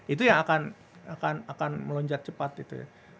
itu yang akan melonjak cepat gitu ya